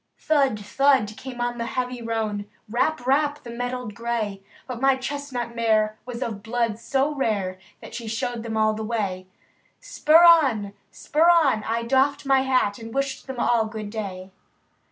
Thud! thud! came on the heavy roan. Rap! rap! the mettled gray; But my chestnut mare was of blood so rare. That she showed them all the way. Spur on! spur on! — I doffed my hat, And wished them all good day.